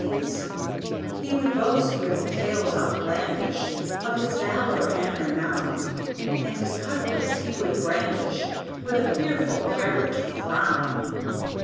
He would boast with tales outlandish, Of his valor and renown; And his cutlass he would brandish With a fearful pirate frown.